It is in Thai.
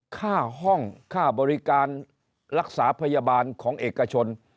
ค่าห้องค่าบริการรักษาพยาบาลของเอกชน